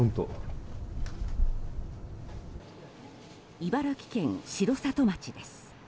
茨城県城里町です。